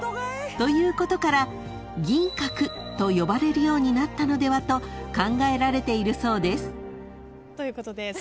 ［ということから銀閣と呼ばれるようになったのではと考えられているそうです］ということで３人正解です。